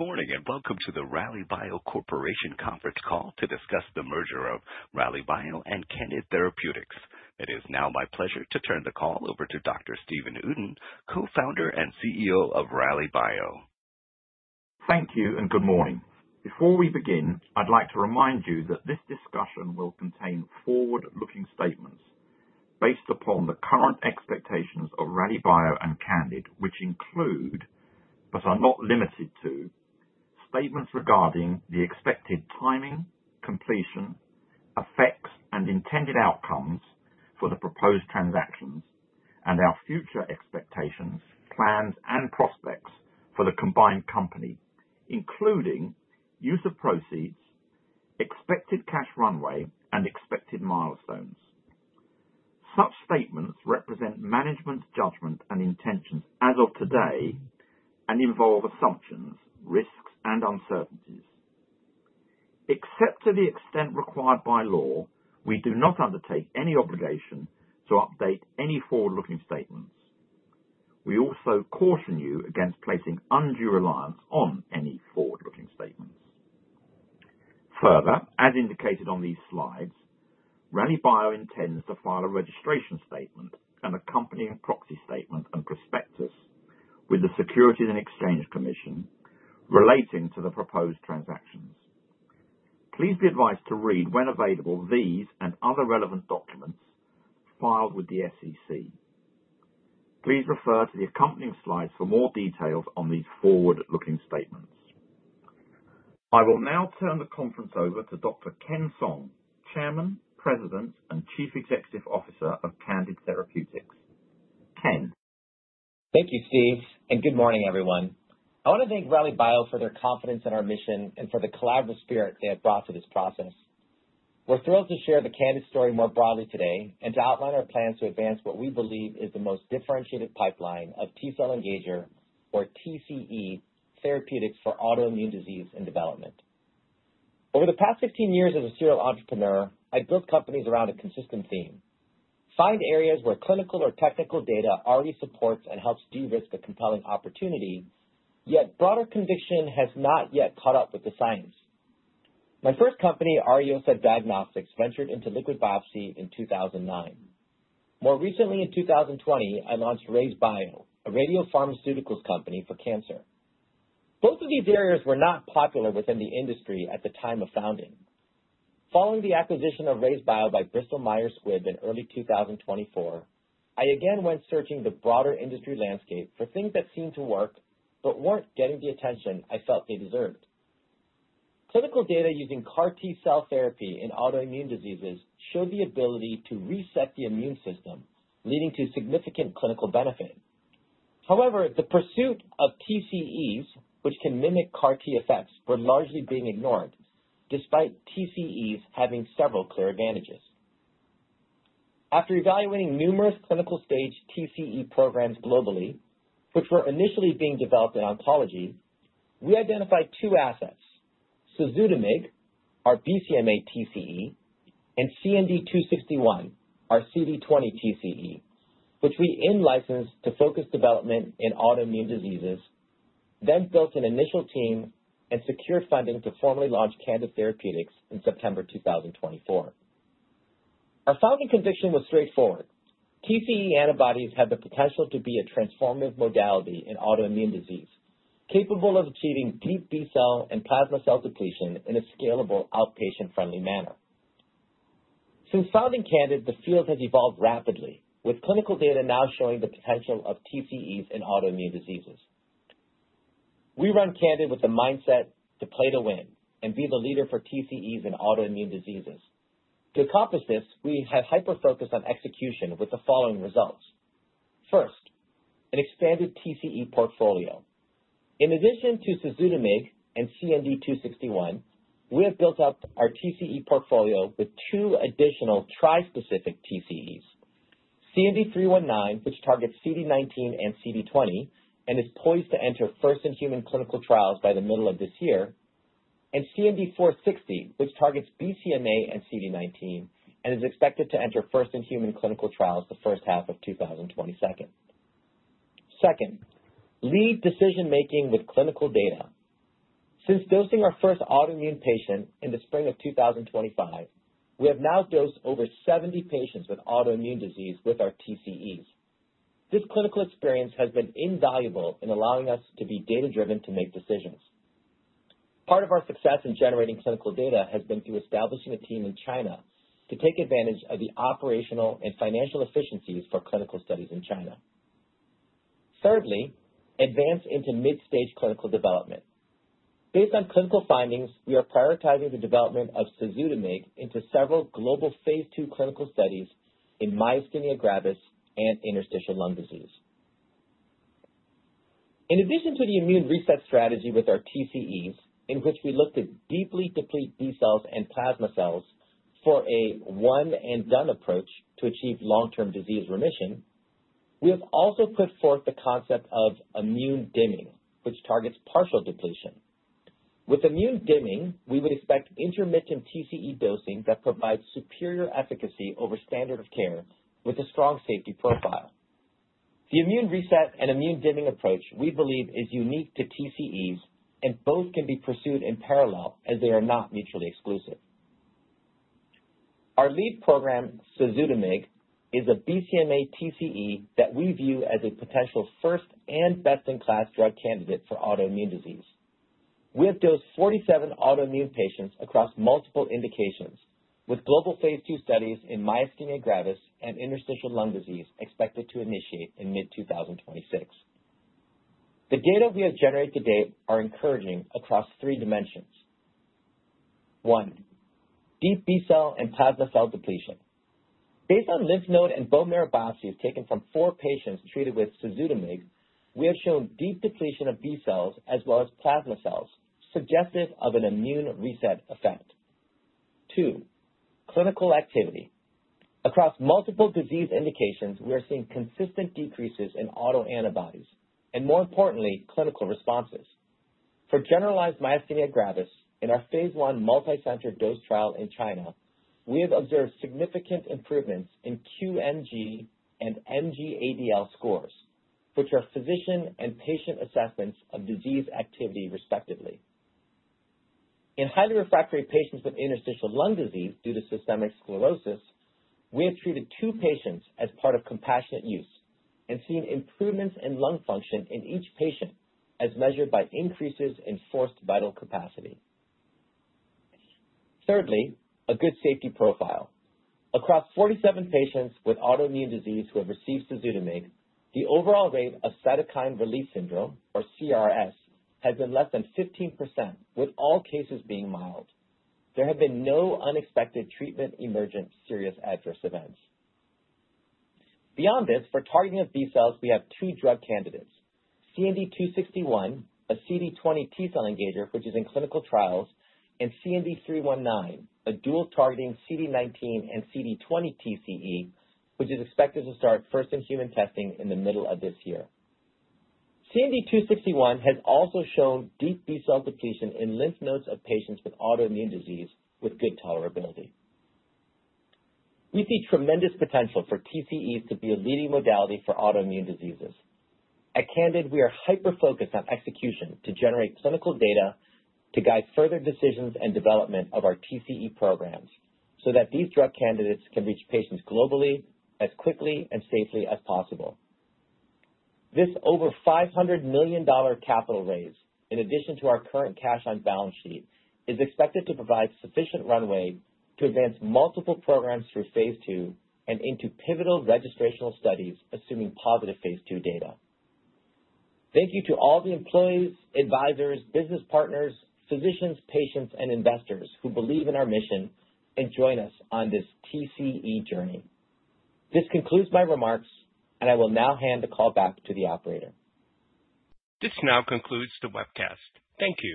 Good morning, welcome to the Rallybio Corporation Conference Call to discuss the merger of Rallybio and Candid Therapeutics. It is now my pleasure to turn the call over to Dr. Stephen Uden, Co-Founder and CEO of Rallybio. Thank you, and good morning. Before we begin, I'd like to remind you that this discussion will contain forward-looking statements based upon the current expectations of Rallybio and Candid, which include, but are not limited to, statements regarding the expected timing, completion, effects, and intended outcomes for the proposed transactions and our future expectations, plans, and prospects for the combined company, including use of proceeds, expected cash runway, and expected milestones. Such statements represent management's judgment and intentions as of today and involve assumptions, risks, and uncertainties. Except to the extent required by law, we do not undertake any obligation to update any forward-looking statements. We also caution you against placing undue reliance on any forward-looking statements. As indicated on these slides, Rallybio intends to file a registration statement and accompanying proxy statement and prospectus with the Securities and Exchange Commission relating to the proposed transactions. Please be advised to read when available these and other relevant documents filed with the SEC. Please refer to the accompanying slides for more details on these forward-looking statements. I will now turn the conference over to Dr. Ken Song, Chairman, President, and Chief Executive Officer of Candid Therapeutics. Ken. Thank you, Steve, and good morning, everyone. I want to thank Rallybio for their confidence in our mission and for the collaborative spirit they have brought to this process. We're thrilled to share the Candid story more broadly today and to outline our plans to advance what we believe is the most differentiated pipeline of T-cell engager, or TCE, therapeutics for autoimmune disease and development. Over the past 15 years as a serial entrepreneur, I built companies around a consistent theme. Find areas where clinical or technical data already supports and helps de-risk a compelling opportunity, yet broader conviction has not yet caught up with the science. My first company, Ariosa Diagnostics, ventured into liquid biopsy in 2009. More recently, in 2020, I launched RayzeBio, a radiopharmaceuticals company for cancer. Both of these areas were not popular within the industry at the time of founding. Following the acquisition of RayzeBio by Bristol Myers Squibb in early 2024, I again went searching the broader industry landscape for things that seemed to work but weren't getting the attention I felt they deserved. Clinical data using CAR T-cell therapy in autoimmune diseases showed the ability to reset the immune system, leading to significant clinical benefit. The pursuit of TCEs, which can mimic CAR T effects, were largely being ignored, despite TCEs having several clear advantages. After evaluating numerous clinical-stage TCE programs globally, which were initially being developed in oncology, we identified two assets, CIZUTAMIG, our BCMA TCE, and CND261, our CD20 TCE, which we in-licensed to focus development in autoimmune diseases, then built an initial team and secured funding to formally launch Candid Therapeutics in September 2024. Our founding conviction was straightforward. TCE antibodies have the potential to be a transformative modality in autoimmune disease, capable of achieving deep B-cell and plasma cell depletion in a scalable, outpatient-friendly manner. Since founding Candid, the field has evolved rapidly, with clinical data now showing the potential of TCEs in autoimmune diseases. We run Candid with the mindset to play to win and be the leader for TCEs in autoimmune diseases. To accomplish this, we have hyper-focused on execution with the following results. First, an expanded TCE portfolio. In addition to CIZUTAMIG and CND261, we have built up our TCE portfolio with two additional tri-specific TCEs, CND-319, which targets CD19 and CD20 and is poised to enter first-in-human clinical trials by the middle of this year, and CND460, which targets BCMA and CD19 and is expected to enter first-in-human clinical trials the first half of 2022. Second, lead decision-making with clinical data. Since dosing our first autoimmune patient in the spring of 2025, we have now dosed over 70 patients with autoimmune disease with our TCEs. This clinical experience has been invaluable in allowing us to be data-driven to make decisions. Part of our success in generating clinical data has been through establishing a team in China to take advantage of the operational and financial efficiencies for clinical studies in China. Thirdly, advance into mid-stage clinical development. Based on clinical findings, we are prioritizing the development of CIZUTAMIG into several global phase II clinical studies in myasthenia gravis and interstitial lung disease. In addition to the immune reset strategy with our TCEs, in which we look to deeply deplete B cells and plasma cells for a one-and-done approach to achieve long-term disease remission, we have also put forth the concept of immune dimming, which targets partial depletion. With immune dimming, we would expect intermittent TCE dosing that provides superior efficacy over standard of care with a strong safety profile. The immune reset and immune dimming approach, we believe is unique to TCEs, and both can be pursued in parallel as they are not mutually exclusive. Our lead program, CIZUTAMIG, is a BCMA TCE that we view as a potential first and best-in-class drug candidate for autoimmune disease. We have dosed 47 autoimmune patients across multiple indications, with global phase II studies in myasthenia gravis and interstitial lung disease expected to initiate in mid 2026. The data we have generated to date are encouraging across three dimensions. One, deep B-cell and plasma cell depletion. Based on lymph node and bone marrow biopsies taken from four patients treated with CIZUTAMIG, we have shown deep depletion of B cells as well as plasma cells, suggestive of an immune reset effect. Two, clinical activity. Across multiple disease indications, we are seeing consistent decreases in autoantibodies, and more importantly, clinical responses. For generalized myasthenia gravis, in our phase I multi-center dose trial in China, we have observed significant improvements in QMG and MG-ADL scores, which are physician and patient assessments of disease activity, respectively. In highly refractory patients with interstitial lung disease due to systemic sclerosis, we have treated two patients as part of compassionate use and seen improvements in lung function in each patient as measured by increases in forced vital capacity. Thirdly, a good safety profile. Across 47 patients with autoimmune disease who have received MG-ADL scores, the overall rate of cytokine release syndrome, or CRS, has been less than 15%, with all cases being mild. There have been no unexpected treatment emergent serious adverse events. Beyond this, for targeting of B cells, we have two drug candidates, CND261, a CD20 T-cell engager, which is in clinical trials, and CND319, a dual targeting CD19 and CD20 TCE, which is expected to start first in human testing in the middle of this year. CND261 has also shown deep B-cell depletion in lymph nodes of patients with autoimmune disease with good tolerability. We see tremendous potential for TCEs to be a leading modality for autoimmune diseases. At Candid, we are hyper-focused on execution to generate clinical data to guide further decisions and development of our TCE programs so that these drug candidates can reach patients globally as quickly and safely as possible. This over $500 million capital raise, in addition to our current cash on balance sheet, is expected to provide sufficient runway to advance multiple programs through phase II and into pivotal registrational studies, assuming positive phase II data. Thank you to all the employees, advisors, business partners, physicians, patients, and investors who believe in our mission and join us on this TCE journey. This concludes my remarks, and I will now hand the call back to the operator. This now concludes the webcast. Thank you.